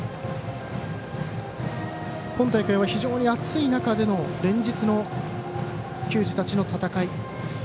今大会は非常に暑い中での連日の球児たちの戦い。